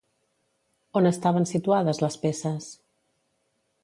On estaven situades les peces?